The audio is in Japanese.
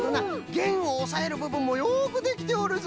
げんをおさえるぶぶんもよくできておるぞ。